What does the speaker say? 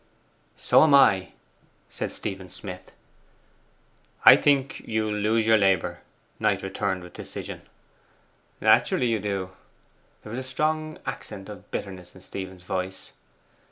'So am I,' said Stephen Smith. 'I think you'll lose your labour,' Knight returned with decision. 'Naturally you do.' There was a strong accent of bitterness in Stephen's voice.